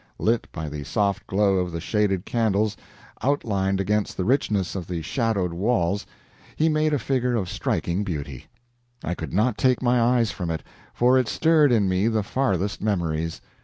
Lit by the soft glow of the shaded candles, outlined against the richness of the shadowed walls, he made a figure of striking beauty. I could not take my eyes from it, for it stirred in me the farthest memories.